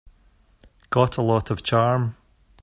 Got a lot of charm.